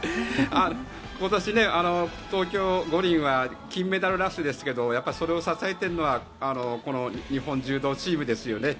今年、東京五輪は金メダルラッシュですけどやっぱりそれを支えているのはこの日本柔道チームですよね。